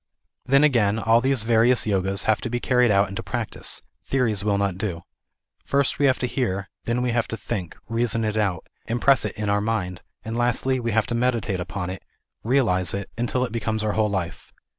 Then again, all these various Yogas, have to be carried out into practice ; theories will not do. First we have to hear, then we have to think ; reason it out, impress it in our mind ; and lastly, we kave to meditate upon it, realize it, until it becomes our whole life.